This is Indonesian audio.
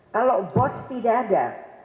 kalau bos tidak ada